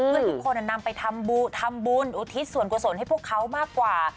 เพื่อทุกคนนำไปทำบุญอุทิศส่วนกุศลให้พวกเขามากกว่า